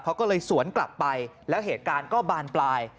เขาก็เลยสวนกลับไปแล้วเหตุการณ์ก็บานปลาย